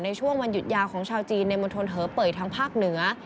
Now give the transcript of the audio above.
ในช่วงวันหยุดยาวของชาวจีนในมณฑลเหอเป่ยทางภาคเหนือ